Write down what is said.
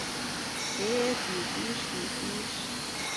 Эк, Епиш, Епиш!..